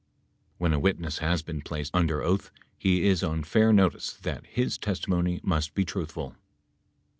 When a witness has been placed under oath, he is on fair notice that his tes timony must be truthful.